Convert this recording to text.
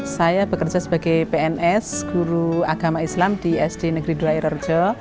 saya bekerja sebagai pns guru agama islam di sd negeri dula air rojo